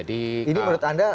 ini menurut anda